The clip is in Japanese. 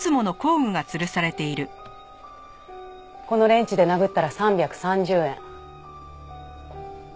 このレンチで殴ったら３３０円。